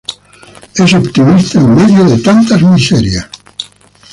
Es optimista en medio de tantas miserias.